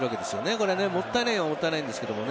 これもったいないはもったいないんですけどね。